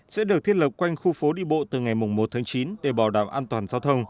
sẽ được thiết lập quanh khu phố đi bộ từ ngày một tháng chín để bảo đảm an toàn giao thông